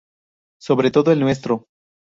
Sobre todo el nuestro".